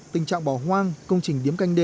tình trạng bỏ hoang công trình điếm canh đê